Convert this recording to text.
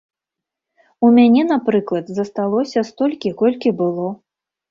У мяне, напрыклад, засталося столькі, колькі было.